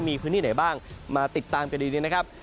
มีพื้นที่ไหนบ้างมาติดตามกันดีนะครับ